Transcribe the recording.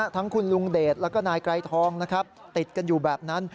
ทั้งคุณลุงเดชแล้วก็นายไกรทองนะครับติดกันอยู่แบบนั้น